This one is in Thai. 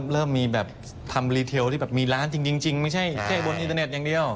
เริ่มมีแบบทำรีเทลที่แบบมีร้านจริงไม่ใช่แค่บนอินเทอร์เน็ตอย่างเดียว